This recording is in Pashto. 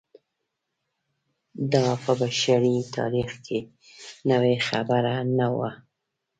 دا په بشري تاریخ کې نوې خبره نه وه.